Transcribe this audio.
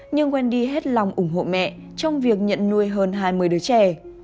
nhưng wendy hết lòng ủng hộ mẹ trong việc nhận nuôi hơn hai mươi đứa trẻ